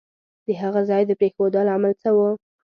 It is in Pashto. د هغه ځای د پرېښودو لامل څه وو؟